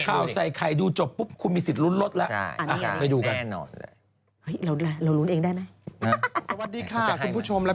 ข่าวใส่ไข่ดูจบปุ๊บคุณมีสิทธิลุ้นลดแล้ว